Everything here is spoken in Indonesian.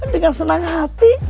dengan senang hati